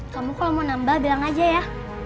kamu kalau mau nambah bilang aja ya